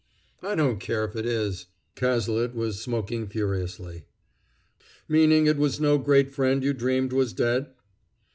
"I don't care if it is." Cazalet was smoking furiously. "Meaning it was no great friend you dreamed was dead?"